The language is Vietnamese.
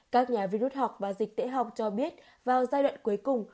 các nhà vi rút học và dịch tễ học cho biết vào giai đoạn cuối cùng